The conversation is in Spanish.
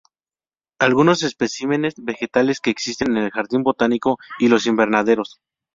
Algunos especímenes vegetales que existen en el jardín botánico y los invernaderos.